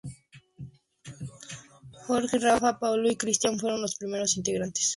Jorge, Rafa, Paulo y Christian fueron los primeros integrantes del grupo mexicano Tierra Cero.